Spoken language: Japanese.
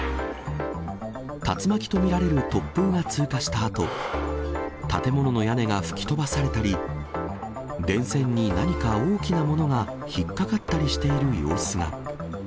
竜巻と見られる突風が通過したあと、建物の屋根が吹き飛ばされたり、電線に何か大きなものが引っ掛かったりしている様子が。